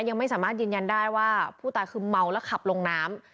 ยังไม่สามารถยืนยันได้ว่าผู้ตายคือเมาแล้วขับลงน้ำ